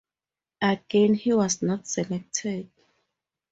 Again he was not selected.